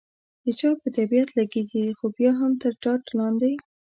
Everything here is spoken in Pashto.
د چا په طبیعت لګېږي، خو بیا هم تر ټاټ لاندې.